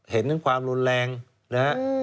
เห็นความรุนแรงนะครับ